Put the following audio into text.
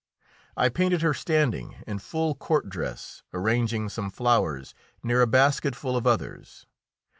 I painted her standing, in full court dress, arranging some flowers near a basketful of others.